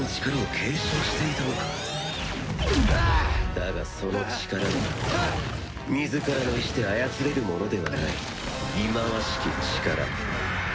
だがその力は自らの意思で操れるものではない忌まわしき力。